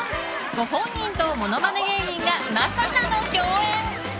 ご本人とモノマネ芸人がまさかの共演！